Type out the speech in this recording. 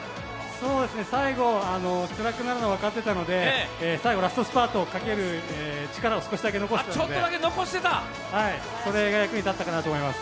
最後つらくなるのは分かっていたので、ラストスパートをかける力を残していたのでそれが役に立ったかなと思います。